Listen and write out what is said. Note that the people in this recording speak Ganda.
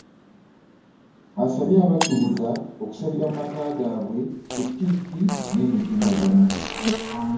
Asabye abakkiriza okusabira mu maka gaabwe ku ttivvi n'emitimbagano